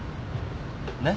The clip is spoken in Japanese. ねっ。